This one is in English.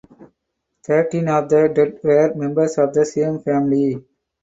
Thirteen of the dead were members of the same family.